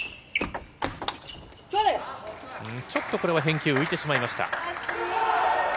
ちょっとこれは返球浮いてしまいました。